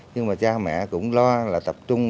nhưng mà cha mẹ cũng lo là tập trung